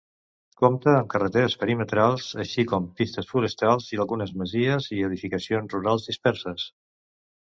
Compta amb carreteres perimetrals, així com pistes forestals i algunes masies i edificacions rurals disperses.